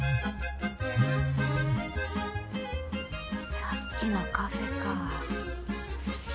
さっきのカフェか。